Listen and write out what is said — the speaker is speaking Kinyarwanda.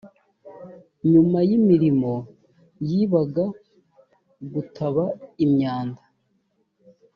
nyuma y imirimo y ibaga gutaba imyanda